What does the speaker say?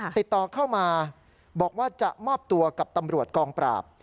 ติดต่อเข้ามาบอกว่าจะมอบตัวกับตำรวจกองปราบ